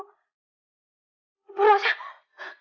sayang aku harus kaja